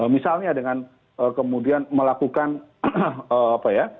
misalnya dengan kemudian melakukan apa ya